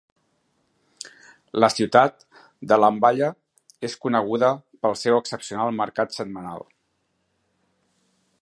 La ciutat de Lamballe es coneguda pel seu excepcional mercat setmanal.